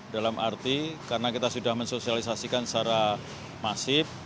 dalam arti karena kita sudah mensosialisasikan secara masif